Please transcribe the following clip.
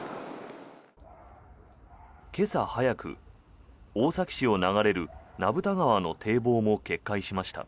今朝早く、大崎市を流れる名蓋川の堤防も決壊しました。